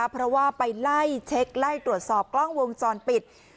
เพราะว่าไปไล่เช็คไล่ตรวจสอบกล้องวงจรปิด